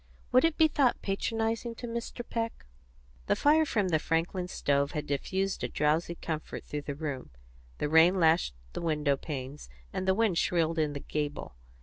Would it be thought patronising to Mr. Peck? The fire from the Franklin stove diffused a drowsy comfort through the room, the rain lashed the window panes, and the wind shrilled in the gable.